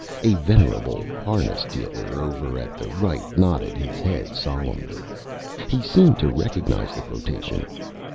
A Venerable Harness Dealer over at the Right nodded his Head solemnly. He seemed to recognize the Quotation.